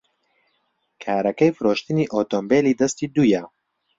کارەکەی فرۆشتنی ئۆتۆمۆبیلی دەستی دوویە.